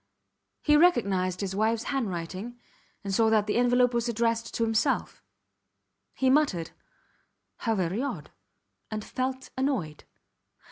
He recognized his wifes handwriting and saw that the envelope was addressed to himself. He muttered, How very odd, and felt annoyed.